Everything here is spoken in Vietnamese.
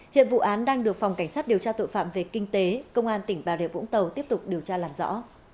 hiện vụ án đang được phòng cảnh sát điều tra tội phạm về kinh tế công an tỉnh bà rịa vũng tàu tiếp tục điều tra làm rõ